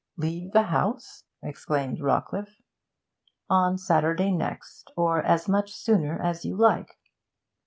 'Leave the house?' exclaimed Rawcliffe. 'On Saturday next or as much sooner as you like.'